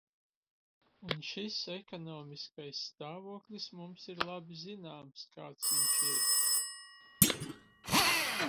Un šis ekonomiskais stāvoklis mums ir labi zināms, kāds viņš ir.